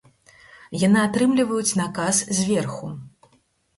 Яны атрымліваюць наказ зверху.